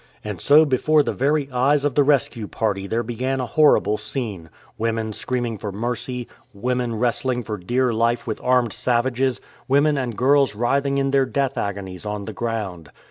And so before the very eyes of the rescue party there began a horrible scene — women screaming for mercy, women wrestling for dear life with armed savages, women and girls writhing in their death agonies on the ground.